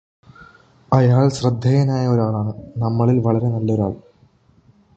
അയാള് ശ്രദ്ധേയനായ ഒരാളാണ് നമ്മളിൽ വളരെ നല്ല ഒരാൾ